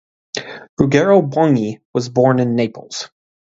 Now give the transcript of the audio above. Ruggero Bonghi was born in Naples.